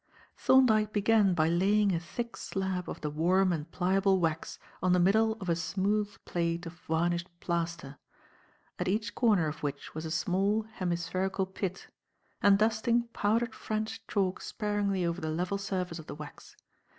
Thorndyke began by laying a thick slab of the warm and pliable wax on the middle of a smooth plate of varnished plaster, at each corner of which was a small, hemispherical pit, and dusting powdered French chalk sparingly over the level surface of the wax.